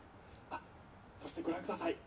あっそしてご覧ください。